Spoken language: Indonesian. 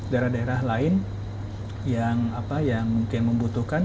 daerah daerah lain yang mungkin membutuhkan